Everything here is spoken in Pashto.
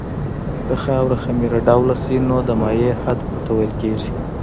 که خاوره خمیر ډوله شي نو د مایع حد ورته ویل کیږي